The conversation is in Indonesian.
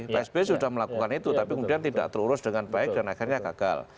pak sby sudah melakukan itu tapi kemudian tidak terurus dengan baik dan akhirnya gagal